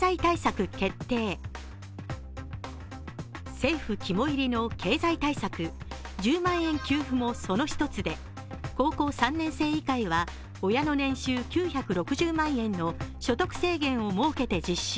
政府肝煎りの経済対策、１０万円給付もその一つで高校３年生以下へは親の年収９６０万円の所得制限を設けて実施。